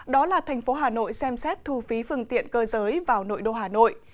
đó là thành phố hà nội xem xét thu phí phương tiện cơ giới vào nội đô hà nội